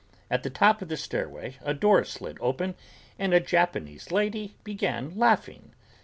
At the top of the stairway a door slid open and a Japanese lady began laughing.